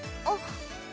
あっ。